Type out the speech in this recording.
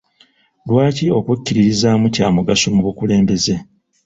Lwaki okwekkiririzaamu kya mugaso mu bukulembeze?